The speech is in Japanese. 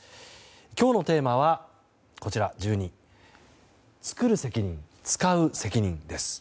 今日のテーマは、１２つくる責任つかう責任です。